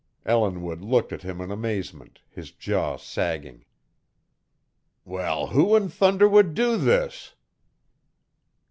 Ellinwood looked at him in amazement, his jaw sagging. "Well, who in thunder would do this?"